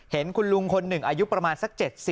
เห็นคุณลุงคนหนึ่งอายุประมาณสัก๗๐